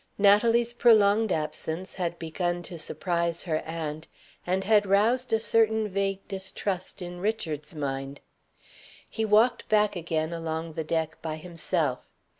Natalie's prolonged absence had begun to surprise her aunt, and had roused a certain vague distrust in Richard's mind. He walked back again along the deck by himself.